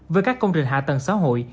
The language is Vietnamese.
với các công trình hạ tầng xã hội